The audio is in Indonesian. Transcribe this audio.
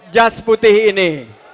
jas putih ini